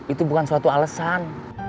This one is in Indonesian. itu bukan suatu alasan